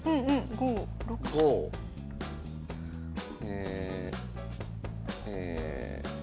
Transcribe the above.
ええ。